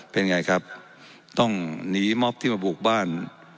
เป็นไงครับต้องหนีม็อบที่มาบุกบ้าน